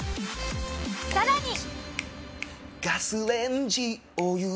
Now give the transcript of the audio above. さらに。